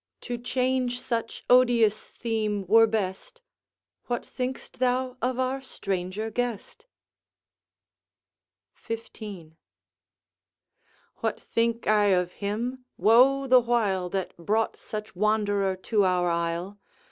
To change such odious theme were best, What think'st thou of our stranger guest? ' XV. 'What think I of him? woe the while That brought such wanderer to our isle!